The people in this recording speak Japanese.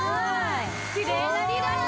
きれいになりました。